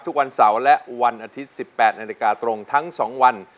ทุกวันเสาร์และวันอาทิตย์๑๘นาฬิกาตรงทั้ง๒วัน